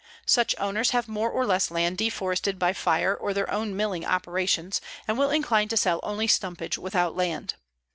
Such owners have more or less land deforested by fire or their own milling operations, and will incline to sell only stumpage without land.